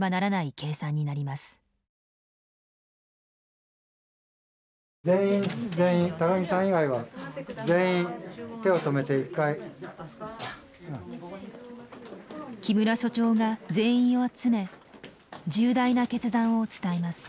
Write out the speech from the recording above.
木村所長が全員を集め重大な決断を伝えます。